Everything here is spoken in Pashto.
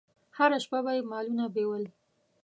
هره شپه به یې مالونه بېول.